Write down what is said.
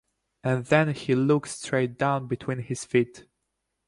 And then he looked straight down between his feet.